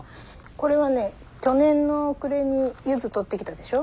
これはね去年の暮れにユズ採ってきたでしょ？